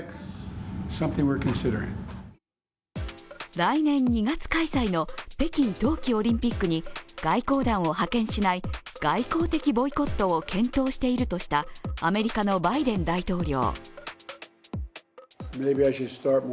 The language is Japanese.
来年２月開催の北京冬季オリンピックに外交団を派遣しない外交的ボイコットを検討しているとしたアメリカのバイデン大統領。